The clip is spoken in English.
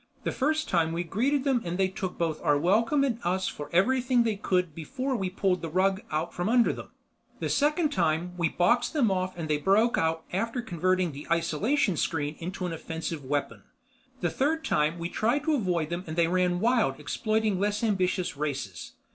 "The first time we greeted them and they took both our welcome and us for everything they could before we pulled the rug out from under them. The second time we boxed them off and they broke out after converting the isolation screen into an offensive weapon. The third time we tried to avoid them and they ran wild exploiting less ambitious races.